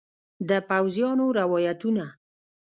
د پوځیانو روایتونه